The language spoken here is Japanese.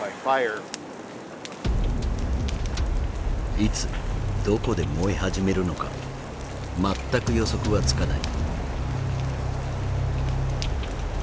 いつどこで燃え始めるのか全く予測はつかない。